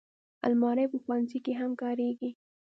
الماري په ښوونځي کې هم کارېږي